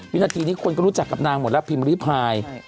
วินาทีนี้คนก็รู้จักกับนางหมดแล้วพิมพ์ริพาย